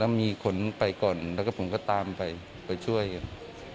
แล้วมีขนไปก่อนแล้วก็ผมก็ตามไปไปช่วยกัน